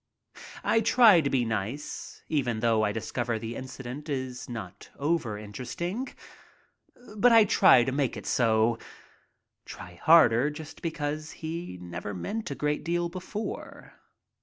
I try to be nice, even though I discover the incident is not overinteresting. But I try to make it so — try harder just because he never meant a great deal before.